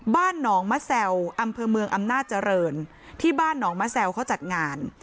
บ้านหนองมะแซวอำเภอเมืองอำนาจเจริญที่บ้านหนองมะแซวเขาจัดงาน